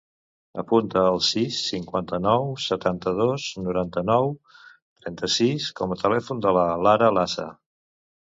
Apunta el sis, cinquanta-nou, setanta-dos, noranta-nou, trenta-sis com a telèfon de la Lara Lasa.